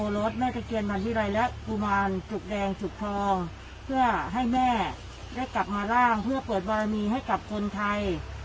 และปุมารจุดแดงจุดคลองเพื่อให้แม่ได้กลับมาร่างเพื่อเปิดบรรมีให้กับคนไทย